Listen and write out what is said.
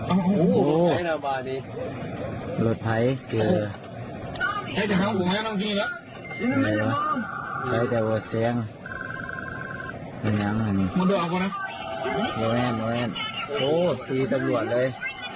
โอ้โหตีตำรวจเลย